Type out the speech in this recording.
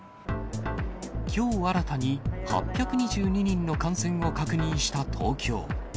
きょう、新たに８２２人の感染を確認した東京。